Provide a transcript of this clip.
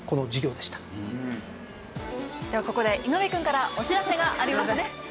ではここで井上くんからお知らせがありますね。